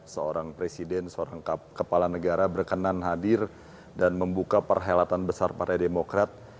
seorang presiden seorang kepala negara berkenan hadir dan membuka perhelatan besar partai demokrat